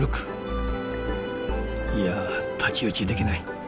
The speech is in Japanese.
いや太刀打ちできない。